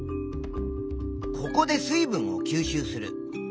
ここで水分を吸収する。